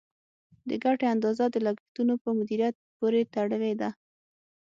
د ګټې اندازه د لګښتونو په مدیریت پورې تړلې ده.